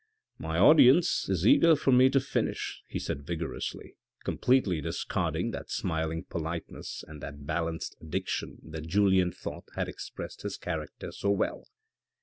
" My audience is eager for me to finish," he said vigorously, completely discarding that smiling politeness and that balanced diction that Julien thought had expressed his character so well.